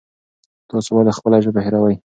تاسو ولې خپله ژبه هېروئ؟